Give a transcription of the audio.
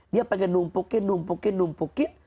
dia pengen numpukin numpukin numpukin